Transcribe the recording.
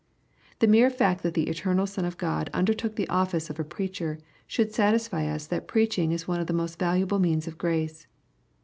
The mere fact that the eternal Son of God undertook the office of a preacher, should satisfy us that preaching is one of the most valuable means of grace.